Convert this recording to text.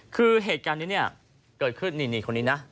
คือเหตุการณ์นี้เนี่ยเกิดขึ้นนี่คนนี้นะ